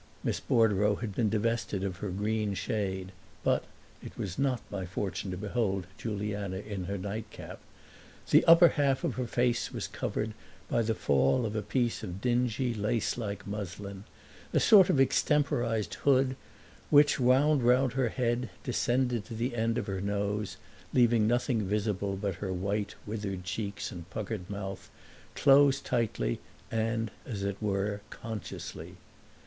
Miss Bordereau had been divested of her green shade, but (it was not my fortune to behold Juliana in her nightcap) the upper half of her face was covered by the fall of a piece of dingy lacelike muslin, a sort of extemporized hood which, wound round her head, descended to the end of her nose, leaving nothing visible but her white withered cheeks and puckered mouth, closed tightly and, as it were consciously.